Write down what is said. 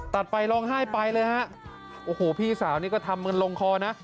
ตัดไปร้องไห้ไปเลยพี่สาวนี้ก็ทำเหมือนลงคอนะ